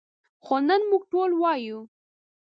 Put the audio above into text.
خو نن موږ ټول وایو.